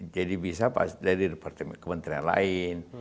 jadi bisa dari departemen kementerian lain